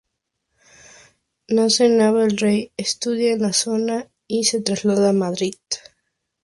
Nace en Nava del Rey, estudia en la zona y se traslada a Madrid.